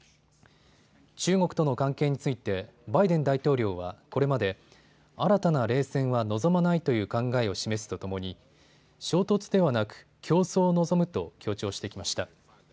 中国との関係についてバイデン大統領はこれまで新たな冷戦は望まないという考えを示すとともに衝突ではなく、競争を望むと強調してきました。